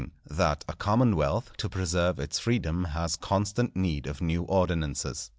—_That a Commonwealth to preserve its Freedom has constant need of new Ordinances.